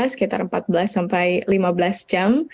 sekitar empat belas sampai lima belas jam